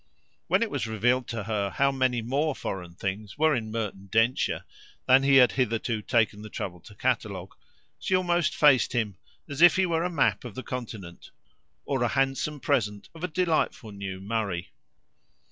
When it was revealed to her how many more foreign things were in Merton Densher than he had hitherto taken the trouble to catalogue, she almost faced him as if he were a map of the continent or a handsome present of a delightful new "Murray."